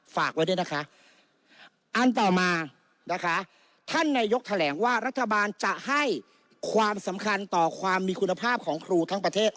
ฝากไว้ด้วยนะคะอันต่อมานะคะท่านนายกแถลงว่ารัฐบาลจะให้ความสำคัญต่อความมีคุณภาพของครูทั้งประเทศ